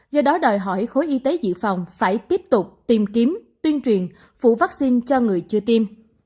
do đó đòi hỏi khối y tế dự phòng phải tiếp tục tìm kiếm tuyên truyền phủ vaccine cho người chưa tiêm